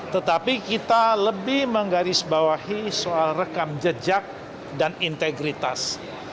tetapi kita lebih menggarisbawahi soal rekam jejak dan integritas